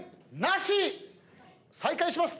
再開します。